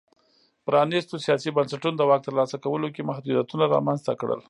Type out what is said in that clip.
پرانیستو سیاسي بنسټونو د واک ترلاسه کولو کې محدودیتونه رامنځته کړل.